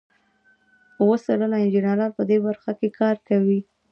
اوه سلنه انجینران په دې برخه کې کار کوي.